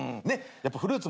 やっぱフルーツも。